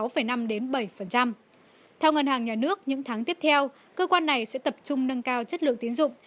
theo ngân hàng nhà nước những tháng tiếp theo cơ quan này sẽ tập trung nâng cao chất lượng tiến dụng